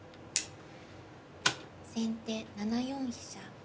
先手７四飛車。